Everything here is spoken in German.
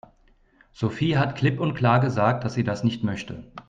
Sophie hat klipp und klar gesagt, dass sie das nicht möchte.